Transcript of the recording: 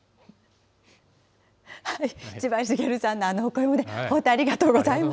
千葉繁さんのあのお声もね、本当ありがとうございます。